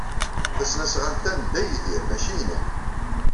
Tasnasɣalt-a n Dda Yidir, maci inu.